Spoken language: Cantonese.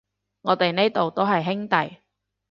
我哋呢度都係兄弟